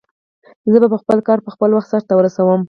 زه به خپل کار په خپل وخت سرته ورسوم